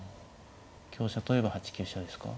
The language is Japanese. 香車取れば８九飛車ですか。